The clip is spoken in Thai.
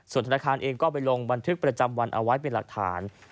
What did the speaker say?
ส่วนธนาคารเองก็ไปลงบันทึกประจำวันเอาไว้เป็นหลักฐาน